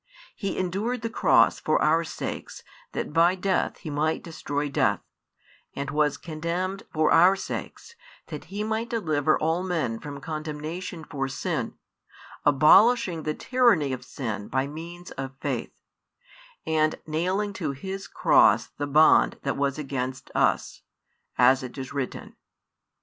He endured the cross for our sakes that by death He might destroy death, and was condemned for our sakes that He might deliver all men from condemnation for sin, abolishing the tyranny of sin by means of faith, and nailing to His cross the bond that was against us, as it is written.